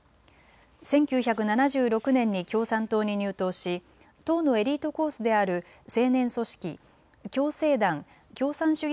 １９７６年に共産党に入党し党のエリートコースである青年組織、共青団・共産主義